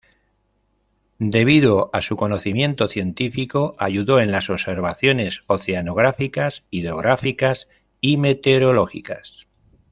Debido a su conocimiento científico, ayudó en las observaciones oceanográficas, hidrográficas y meteorológicas.